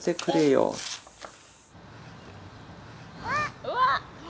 うわっ！